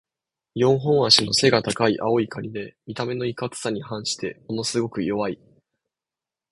四本脚の背が高い青いカニで、見た目のいかつさに反してものすごく弱い。